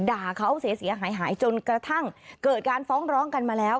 ด่าเขาเสียหายจนกระทั่งเกิดการฟ้องร้องกันมาแล้ว